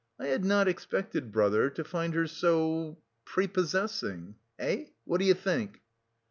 I had not expected, brother, to find her so... prepossessing. Eh, what do you think?"